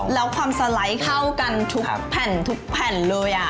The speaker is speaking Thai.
แล้วความสไลด์เข้ากันทุกแผ่นทุกแผ่นเลย